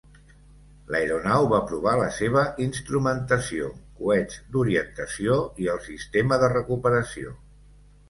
L'aeronau va provar la seva instrumentació, coets d'orientació i el sistema de recuperació.